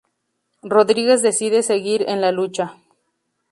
Rodríguez decide seguir en la lucha.